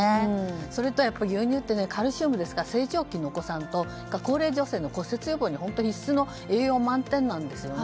それと、牛乳ってカルシウムですから成長期のお子さんや女性の骨折予防に本当に必要な栄養が満点なんですよね。